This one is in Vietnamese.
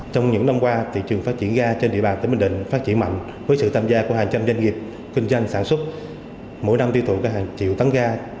trong những năm qua thị trường phát triển ga trên địa bàn tỉnh bình định phát triển mạnh với sự tham gia của hàng trăm doanh nghiệp kinh doanh sản xuất mỗi năm tiêu thụ hàng triệu tấn ga